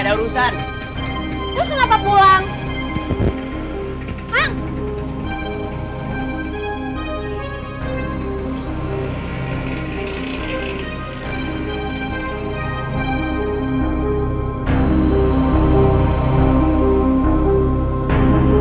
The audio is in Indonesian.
baru pulang kenapa mau pergi lagi